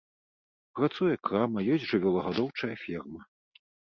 Працуе крама, ёсць жывёлагадоўчая ферма.